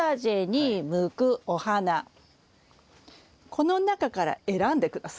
この中から選んで下さい。